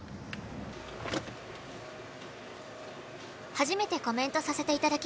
「初めてコメントさせていただきます！」